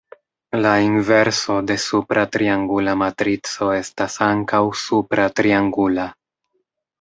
La inverso de supra triangula matrico estas ankaŭ supra triangula.